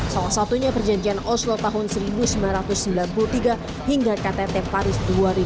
salah satunya perjanjian oslo tahun seribu sembilan ratus sembilan puluh tiga hingga ktt paris dua ribu dua puluh